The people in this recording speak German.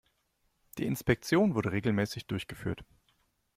Die Inspektion wurde regelmäßig durchgeführt.